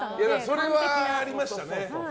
それは、ありましたね。